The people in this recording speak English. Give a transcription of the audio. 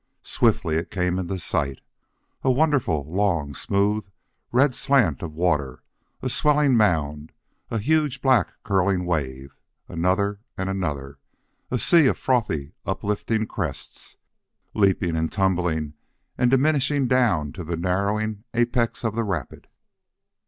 Swiftly it came into sight a wonderful, long, smooth, red slant of water, a swelling mound, a huge back curling wave, another and another, a sea of frothy, uplifting crests, leaping and tumbling and diminishing down to the narrowing apex of the rapid.